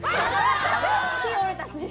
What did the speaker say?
木折れたし。